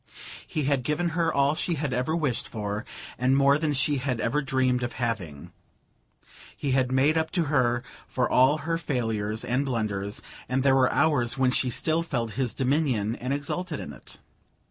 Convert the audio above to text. He had given her all she had ever wished for, and more than she had ever dreamed of having: he had made up to her for all her failures and blunders, and there were hours when she still felt his dominion and exulted in it.